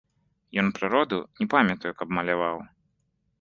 Ён прыроду, не памятаю, каб маляваў.